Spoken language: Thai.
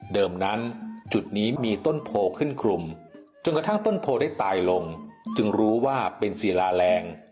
นั้นจุดนี้มีต้นโพขึ้นคลุมจนกระทั่งต้นโพได้ตายลงจึงรู้ว่าเป็นศิลาแรง